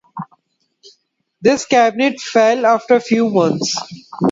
This cabinet fell after a few months.